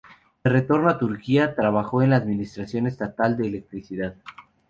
De retorno a Turquía, trabajó en la administración estatal de electricidad.